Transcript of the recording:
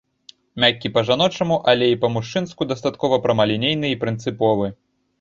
Мяккі па-жаночаму, але і па-мужчынску дастаткова прамалінейны і прынцыповы.